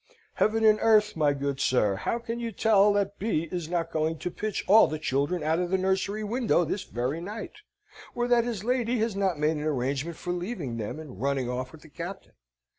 Heaven and earth, my good sir, how can you tell that B. is not going to pitch all the children out of the nursery window this very night, or that his lady has not made an arrangement for leaving them, and running off with the Captain?